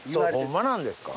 ホンマなんですか？